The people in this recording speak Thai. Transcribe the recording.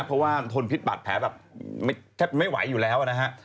เพราะว่าทนพิษบัตรแผลแบบแทบไม่ไหวอยู่แล้วนะฮะ